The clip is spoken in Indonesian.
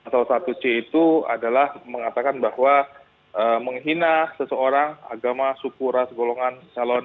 pasal satu c itu adalah mengatakan bahwa menghina seseorang agama suku ras golongan salon